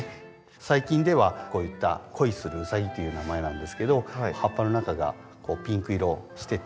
最近ではこういった恋するウサギという名前なんですけど葉っぱの中がこうピンク色してて。